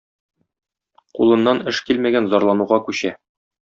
Кулыннан эш килмәгән зарлануга күчә.